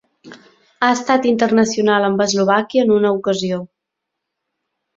Ha estat internacional amb Eslovàquia en una ocasió.